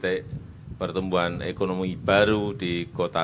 mempercepat mobilitas warga mempercepat mobilitas logistik